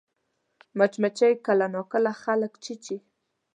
مچمچۍ کله ناکله خلک چیچي